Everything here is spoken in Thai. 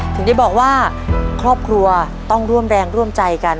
ถึงได้บอกว่าครอบครัวต้องร่วมแรงร่วมใจกัน